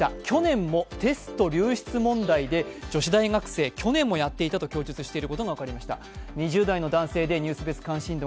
去年もテスト流出問題で女子大学生、去年もやっていたと供述していることが分かりました。